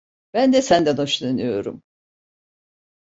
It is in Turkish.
Ben de senden hoşlanıyorum.